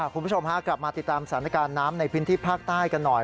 คุณผู้ชมฮะกลับมาติดตามสถานการณ์น้ำในพื้นที่ภาคใต้กันหน่อย